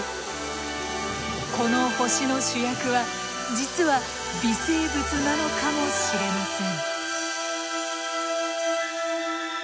この星の主役は実は微生物なのかもしれません。